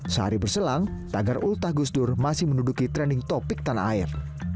sehari berselang tanggar ultah gus dur masih menduduki trending topik tanah air